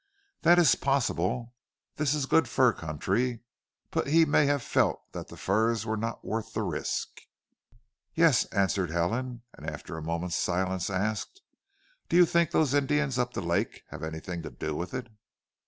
"That is possible. This is a good fur country; but he may have felt that the furs were not worth the risk." "Yes!" answered Helen, and after a moment's silence asked: "Do you think those Indians up the lake have anything to do with it?"